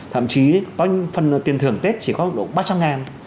thậm chí có những phần tiền thưởng tết chỉ có độ ba trăm linh ngàn